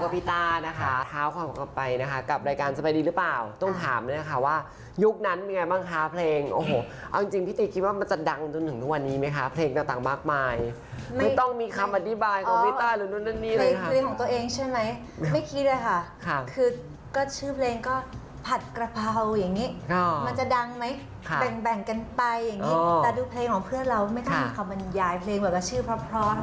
คลิปของตัวเองใช่ไหมไม่คิดเลยค่ะคือชื่อเพลงก็ผัดกระเพราอย่างนี้มันจะดังไหมแบ่งกันไปแต่ดูเพลงของเพื่อนเราไม่ค่อยมีคำบรรยายเพลงแบบว่าชื่อเพราะ